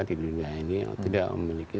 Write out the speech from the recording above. di dunia ini tidak memiliki